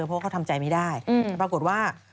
เพราะเขาทำใจไม่ได้ปรากฏว่า